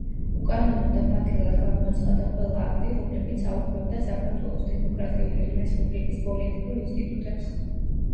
უკანონოდ და ბათილად გამოაცხადა ყველა აქტი, რომლებიც აუქმებდა საქართველოს დემოკრატიული რესპუბლიკის პოლიტიკურ ინსტიტუტებს.